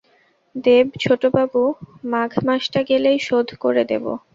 দেব ছোটবাবু, মাঘ মাসটা গেলেই শোধ করে দেব।